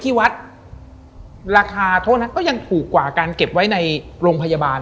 ที่วัดราคาโทษนั้นก็ยังถูกกว่าการเก็บไว้ในโรงพยาบาล